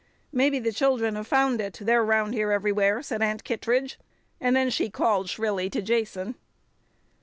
"Maybe the children have found it; they're round everywhere," said Aunt Kittredge. And then she called shrilly to Jason.